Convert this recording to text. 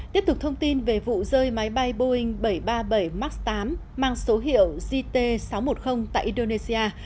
tiếp tục thông tin về vụ rơi máy bay boeing bảy trăm ba mươi bảy max tám mang số hiệu gt sáu trăm một mươi tại indonesia